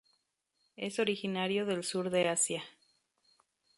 Es originario del sur de Asia.